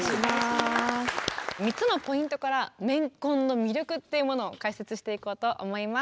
３つのポイントから「メンコン」の魅力っていうものを解説していこうと思います。